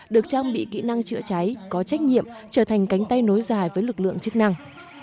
được trang bị kỹ năng chữa cháy có trách nhiệm trở thành cánh tay nối dài với lực lượng chức năng